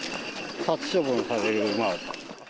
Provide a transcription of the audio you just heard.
殺処分される馬だった。